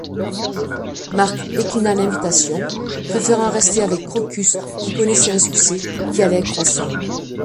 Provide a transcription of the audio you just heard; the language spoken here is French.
Marc déclina l'invitation, préférant rester avec Krokus qui connaissait un succès qui allait croissant.